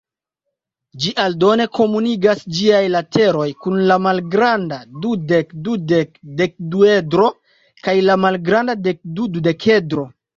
Ĝi aldone komunigas ĝiaj lateroj kun la malgranda dudek-dudek-dekduedro kaj la malgranda dekdu-dudekedro.